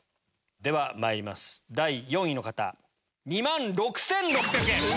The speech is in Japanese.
ではまいります第４位の方２万６６００円。